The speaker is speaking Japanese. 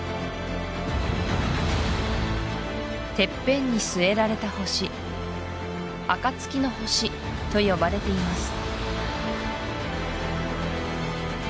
てっぺんに据えられた星暁の星と呼ばれています